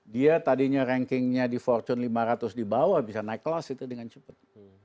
dia tadinya rankingnya di fortune lima ratus di bawah bisa naik kelas itu dengan cepat